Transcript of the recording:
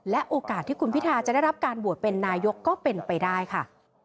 โอกาสที่คุณพิทาจะได้รับการโหวตเป็นนายกก็เป็นไปได้ค่ะ